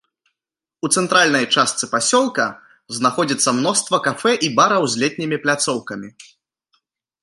У цэнтральнай частцы пасёлка знаходзіцца мноства кафэ і бараў з летнімі пляцоўкамі.